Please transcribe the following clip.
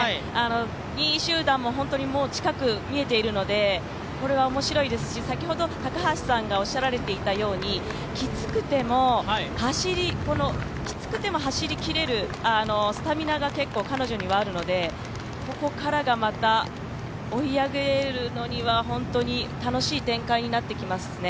２位集団も本当に近く見えているので、これはおもしろいですし、先ほど、高橋さんがおっしゃられたようにきつくても走りきれるスタミナが結構彼女にはあるので、ここからがまた追い上げるのには本当に楽しい展開になってきますね。